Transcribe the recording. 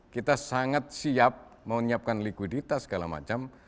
kita sangat siap menyiapkan likuiditas segala macam